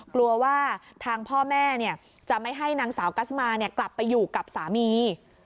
กลัวว่าทางพ่อแม่จะไม่ให้นางสาวกัสมากลับไปอยู่กับสามี